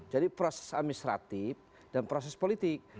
jadi proses administratif dan proses politik